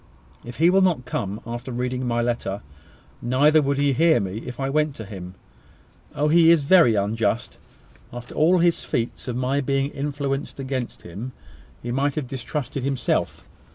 If he will not come after reading my letter, neither would he hear me if I went to him. Oh! he is very unjust! After all his feats of my being influenced against him, he might have distrusted himself.